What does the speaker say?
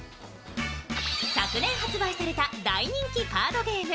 昨年発売された大人気カードゲーム